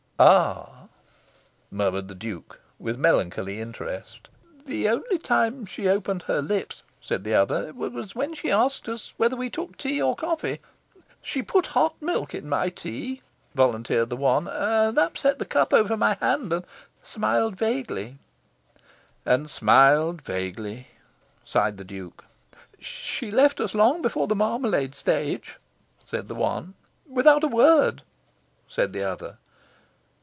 "Ah!" murmured the Duke, with melancholy interest. "The only time she opened her lips," said the other, "was when she asked us whether we took tea or coffee." "She put hot milk in my tea," volunteered the one, "and upset the cup over my hand, and smiled vaguely." "And smiled vaguely," sighed the Duke. "She left us long before the marmalade stage," said the one. "Without a word," said the other.